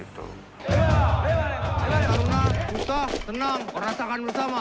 kalungan usah tenang merasakan bersama